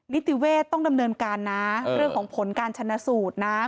นิตยุเวทต์ต้องดำเนินการนะ